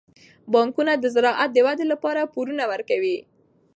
بانکونه د زراعت د ودې لپاره پورونه ورکوي.